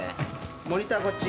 モニターこっち。